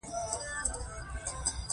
لویه بدرګه راسره وه.